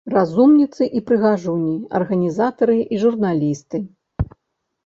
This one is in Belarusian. Разумніцы і прыгажуні, арганізатары і журналісты.